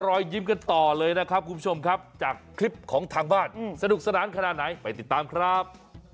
รอยยิ้มกันต่อเลยนะครับคุณผู้ชมครับจากคลิปของทางบ้านสนุกสนานขนาดไหนไปติดตามครับ